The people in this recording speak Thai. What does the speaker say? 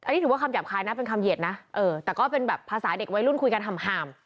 อันนี้ถือว่าคำหยาบคายนะเป็นคำเหยียดนะแต่ก็เป็นแบบภาษาเด็กวัยรุ่นคุยกันห่าม